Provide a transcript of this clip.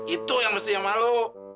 itu yang mesti yang malu